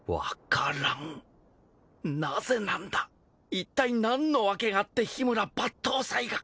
いったい何の訳があって緋村抜刀斎が。